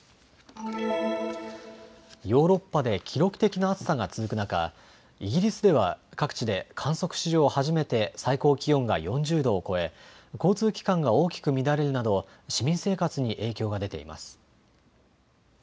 ヨーロッパで記録的な暑さが続く中、イギリスでは各地で観測史上初めて最高気温が４０度を超え交通機関が大きく乱れるなど市民生活に影響が出ています。